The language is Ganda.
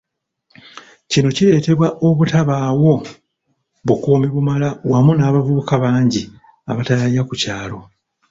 Kino kiletebwa obutabawo bukuumi bumala wamu n'abavubuka bangi abataayaaya ku kyalo.